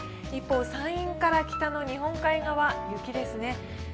一方、山陰から北の日本海側、雪ですね。